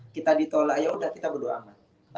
kita ditolak yaudah kita berdoa